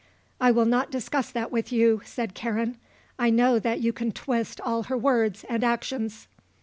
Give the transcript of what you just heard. "I will not discuss that with you," said Karen; "I know that you can twist all her words and actions."